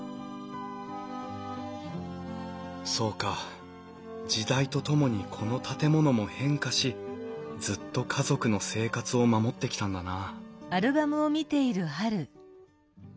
そうか時代とともにこの建物も変化しずっと家族の生活を守ってきたんだな